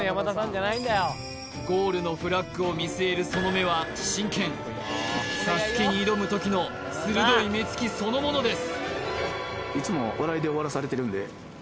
ゴールのフラッグを見据えるその目は真剣ＳＡＳＵＫＥに挑む時の鋭い目つきそのものです